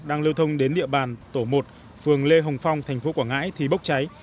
đang lưu thông đến địa bàn tổ một phường lê hồng phong thành phố quảng ngãi thì bốc cháy